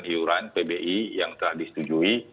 yang terakhir adalah pemerintah yang telah disetujui